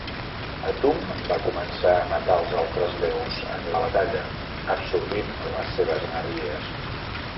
Atum va començar a matar els altres déus en la batalla, absorbint les seves energies.